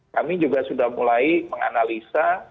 kami juga sudah mulai menganalisa